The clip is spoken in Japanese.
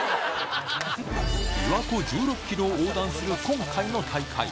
びわ湖１６キロを横断する今回の大会。